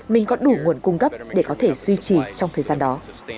mình có đủ nguồn cung cấp để có thể duy trì trong thời gian đó